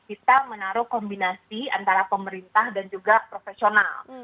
kita menaruh kombinasi antara pemerintah dan juga profesional